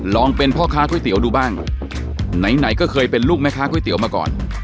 ลองเป็นพ่อค้าก๋วยเตี๋ยวดูบ้างไหนไหนก็เคยเป็นลูกแม่ค้าก๋วยเตี๋ยวมาก่อน